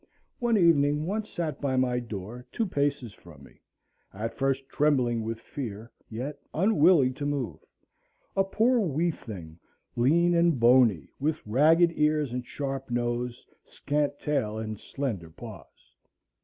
One evening one sat by my door two paces from me, at first trembling with fear, yet unwilling to move; a poor wee thing, lean and bony, with ragged ears and sharp nose, scant tail and slender paws.